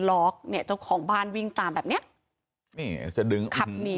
ล็อกเนี่ยเจ้าของบ้านวิ่งตามแบบเนี้ยนี่จะดึงขับหนี